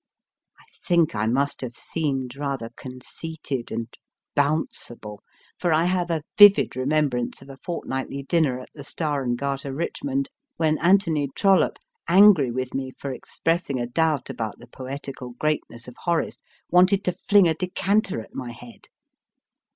I think I must have seemed rather conceited and bounceable, for I have a vivid remembrance of a Fortnightly dinner at the Star and Garter, Richmond, when Anthony Trollope, angry with me for expressing a doubt about the poetical greatness of Horace, wanted to fling a decanter at my head